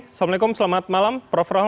assalamualaikum selamat malam prof roh